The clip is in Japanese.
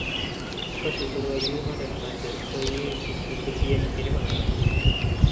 しかしそれはいうまでもなく、ポイエシス的でなければならない。